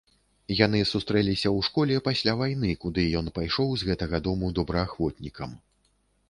Яны сустрэліся ў школе пасля вайны, куды ён пайшоў з гэтага дому добраахвотнікам.